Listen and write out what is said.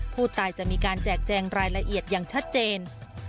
ผู้ตายจะมีการแจกแจงรายละเอียดอย่างชัดเจน